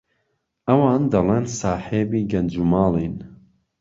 ئەوان دهڵین ساحێبی گهنج و ماڵين